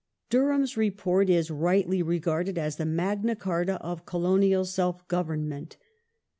^ Dur ham's Report is rightly regarded as the Magna Carta of Colonial self government.